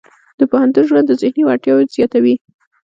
د پوهنتون ژوند د ذهني وړتیاوې زیاتوي.